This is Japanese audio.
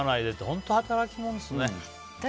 本当、働き者ですね。